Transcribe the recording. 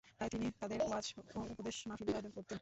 তাই তিনি তাদের জন্য ওয়াজ ও উপদেশ মহফিলের আয়োজন করতেন।